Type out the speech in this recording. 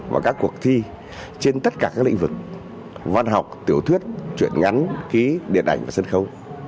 và các cuộc thi trên tất cả các lĩnh vực văn học tiểu thuyết chuyện ngắn ký điện ảnh và sân khấu